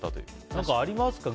何かありますか？